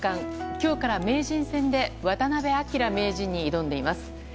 今日から名人戦で渡辺明名人に挑んでいます。